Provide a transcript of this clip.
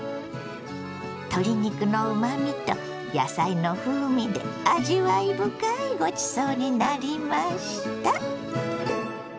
鶏肉のうまみと野菜の風味で味わい深いごちそうになりました。